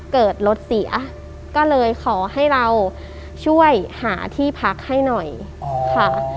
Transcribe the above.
เกิดรถเสียก็เลยขอให้เราช่วยหาที่พักให้หน่อยค่ะ